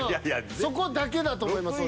そこだけだと思います。